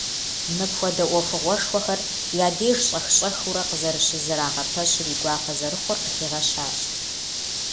Мыпхуэдэ ӏуэхугъуэшхуэхэр я деж щӏэх-щӏэхыурэ къызэрыщызэрагъэпэщыр и гуапэ зэрыхъур къыхигъэщащ.